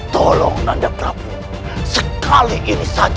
tolong nanda prabu sekali ini saja